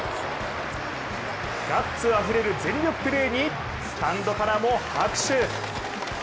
ガッツあふれる全力プレーにスタンドからも拍手。